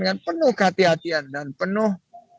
dengan penuh kehatian dan penuh